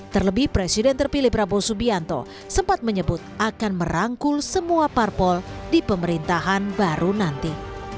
terlebih presiden terpilih prabowo subianto sempat menyebut akan merangkul semua parpol di pemerintahan baru nanti